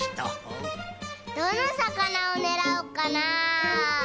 どのさかなをねらおっかな？